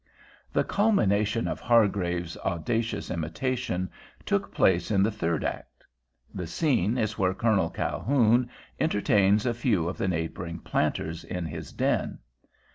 The culmination of Hargraves audacious imitation took place in the third act. The scene is where Colonel Calhoun entertains a few of the neighboring planters in his "den."